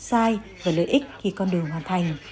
sau khi được phân tích đúng sai và lợi ích khi con đường hoàn thành